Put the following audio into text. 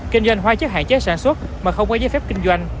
kinh doanh hóa chất hạn chế sản xuất mà không có giấy phép kinh doanh